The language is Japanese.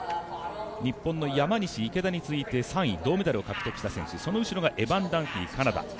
日本の山西、池田に続いて銅メダルを獲得した選手その後ろがエバン・ダンフィー、カナダ。